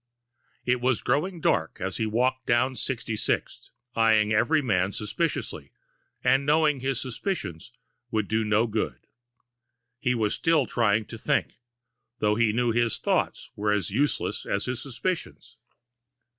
V It was growing dark as he walked down Sixty sixth, eyeing every man suspiciously, and knowing his suspicion would do no good. He was still trying to think, though he knew his thoughts were as useless as his suspicions.